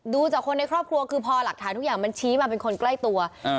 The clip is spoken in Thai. ดูจากคนในครอบครัวคือพอหลักฐานทุกอย่างมันชี้มาเป็นคนใกล้ตัวอ่า